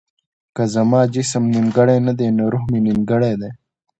که زما جسم نيمګړی نه دی نو روح مې نيمګړی دی.